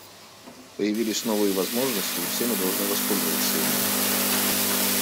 Появились новые возможности, и все мы должны воспользоваться ими.